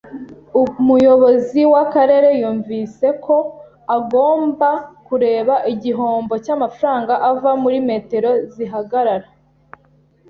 Umuyobozi w'akarere yumvise ko agomba kureba igihombo cy'amafaranga ava muri metero zihagarara